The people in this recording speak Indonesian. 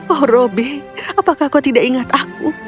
oh roby apakah kau tidak ingat aku